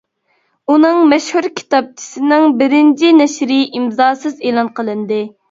ئۇنىڭ مەشھۇر كىتابچىسىنىڭ بىرىنچى نەشرى ئىمزاسىز ئېلان قىلىندى.